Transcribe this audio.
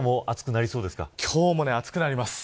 今日も暑くなります。